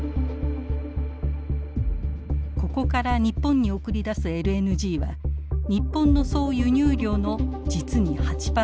ここから日本に送り出すＬＮＧは日本の総輸入量の実に８％。